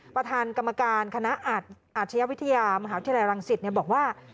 ประธานกรรมการคณะอาชญาวิทยามหาวิทยาลัยรังสิตบอกว่า